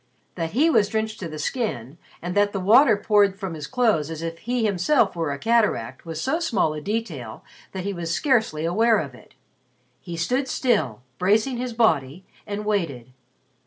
That he was drenched to the skin and that the water poured from his clothes as if he were himself a cataract was so small a detail that he was scarcely aware of it. He stood still, bracing his body, and waited.